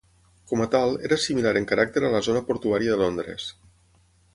Com a tal, era similar en caràcter a la zona portuària de Londres.